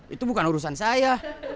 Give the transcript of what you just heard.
itu bukan urusan saya